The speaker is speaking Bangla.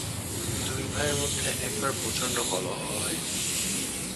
দুই ভাইয়ের মধ্যে একবার প্রচণ্ড কলহ হয়।